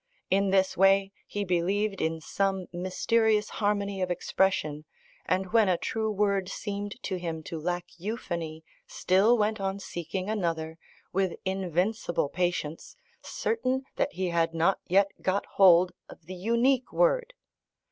In this way, he believed in some mysterious harmony of expression, and when a true word seemed to him to lack euphony still went on seeking another, with invincible patience, certain that he had not yet got hold of the unique word....